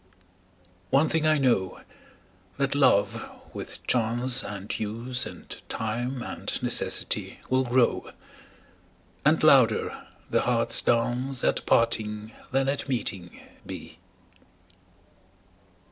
One thing I know, that love with chance And use and time and necessity Will grow, and louder the heart's dance At parting than at meeting be.